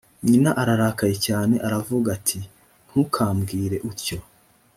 nyina ararakaye cyane aravuga ati “ntukambwire utyo”